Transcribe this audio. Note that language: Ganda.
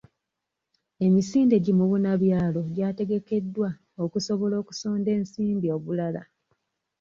Emisinde gi mubunabyalo gyategekeddwa okusobola okusonda ensimbi obulala.